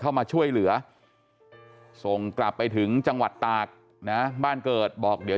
เข้ามาช่วยเหลือส่งกลับไปถึงจังหวัดตากนะบ้านเกิดบอกเดี๋ยว